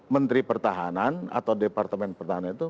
menteri pertahanan atau departemen pertahanan itu